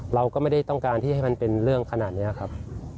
เราก็ไม่ได้ต้องการที่ให้มันเป็นเรื่องขนาดนี้ครับ